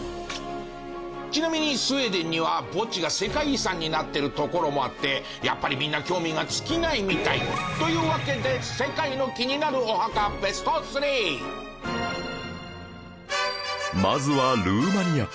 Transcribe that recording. ちなみにスウェーデンには墓地が世界遺産になってる所もあってやっぱりみんな興味が尽きないみたい。というわけでまずはルーマニア